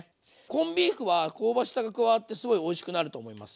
コンビーフは香ばしさが加わってすごいおいしくなると思いますよ。